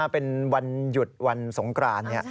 เป็นวันหยุดวันสงกราน